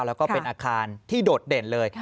แล้วก็เป็นอาคารที่โดดเด่นเลย